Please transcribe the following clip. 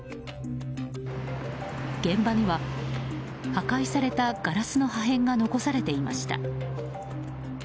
現場には破壊されたガラスの破片が残されていました。